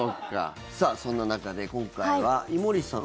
そんな中で今回は井森さん？